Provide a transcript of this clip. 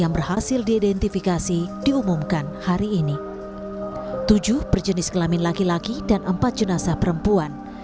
tujuh berjenis kelamin laki laki dan empat jenazah perempuan